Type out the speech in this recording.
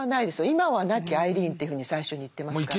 今は亡きアイリーンというふうに最初に言ってますから。